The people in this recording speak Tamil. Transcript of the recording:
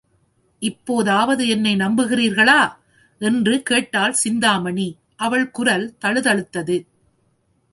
இப்போதாவது என்னை நம்புகிறீர்களா? என்று கேட்டாள் சிந்தாமணி அவள் குரல் தழுதழுத்தது.